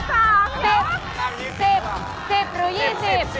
๑๐หรือ๒๐